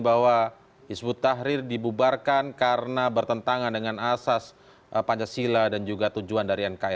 bahwa hizbut tahrir dibubarkan karena bertentangan dengan asas pancasila dan juga tujuan dari nkri